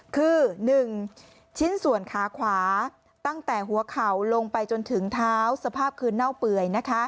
คือ๑ชิ้นส่วนขาขวาตั้งแต่หัวเข่าลงไปจนถึงเท้าสภาพคือเน่าเปื่อย